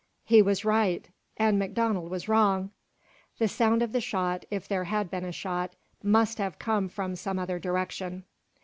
He was right and MacDonald was wrong! The sound of the shot, if there had been a shot, must have come from some other direction!